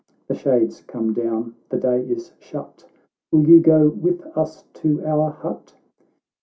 The shades come down — the day is shut — Will you go with us to our hut